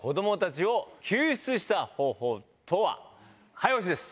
早押しです。